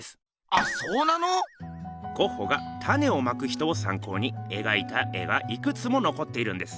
あっそうなの⁉ゴッホが「種をまく人」をさんこうに描いた絵がいくつものこっているんです。